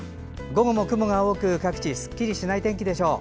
午後も雲が多く各地すっきりしない天気でしょう。